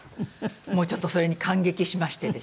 もうちょっとそれに感激しましてですね。